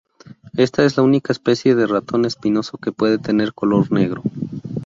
Esta es la única especie de ratón espinoso que puede tener color negro.